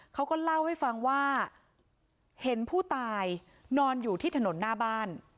เขาก็เล่าให้ฟังว่าเห็นผู้ตายนอนอยู่ที่ถนนหน้าบ้าน